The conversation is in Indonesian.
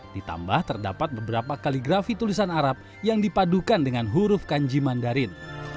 ditambah terdapat beberapa kaligrafi tulisan arab yang dipadukan dengan huruf kanji mandarin